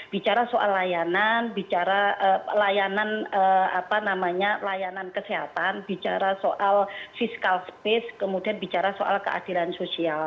bicara soal layanan bicara layanan apa namanya layanan kesehatan bicara soal fiscal space kemudian bicara soal keadilan sosial